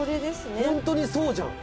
「本当にそうじゃん」